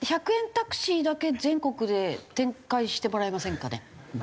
１００円タクシーだけ全国で展開してもらえませんかね？